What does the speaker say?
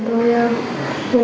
thì là do thời gian dịch giãn